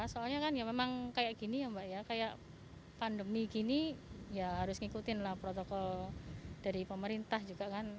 soalnya kan ya memang kayak gini ya mbak ya kayak pandemi gini ya harus ngikutin lah protokol dari pemerintah juga kan